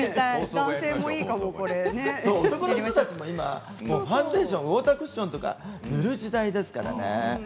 男性もファンデーション、ウォータークッションとか塗る時代ですからね